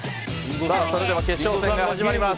それでは決勝戦が始まります。